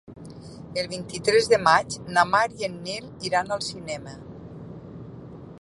El vint-i-tres de maig na Mar i en Nil iran al cinema.